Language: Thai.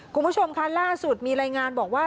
คุณผู้ชมค่ะล่าสุดมีรายงานบอกว่า